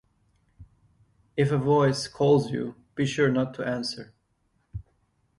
If a voice calls you, be sure not to answer.